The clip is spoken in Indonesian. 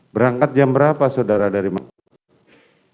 berangkat jam berapa saudara dari makmur